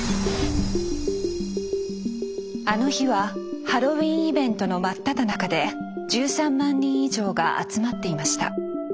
あの日はハロウィーンイベントの真っただ中で１３万人以上が集まっていました。